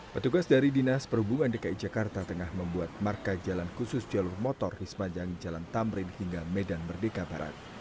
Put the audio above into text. petugas dari dinas perhubungan dki jakarta tengah membuat marka jalan khusus jalur motor di sepanjang jalan tamrin hingga medan merdeka barat